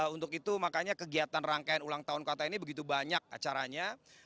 untuk itu makanya kegiatan rangkaian ulang tahun kota ini begitu banyak acaranya